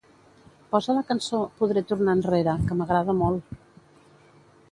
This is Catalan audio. Posa la cançó "Podré tornar enrere", que m'agrada molt